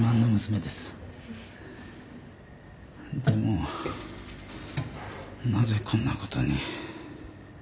でもなぜこんなことに。